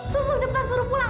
susu susu cepetan suruh pulang